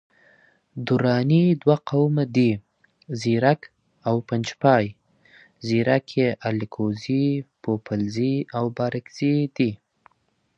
دراني دوه قومه دي، ځیرک او پنجپای. ځیرک یي الکوزي، پوپلزي او بارکزي دی